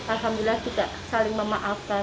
alhamdulillah juga saling memaafkan